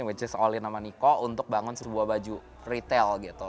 yaitu oli sama niko untuk bangun sebuah baju retail gitu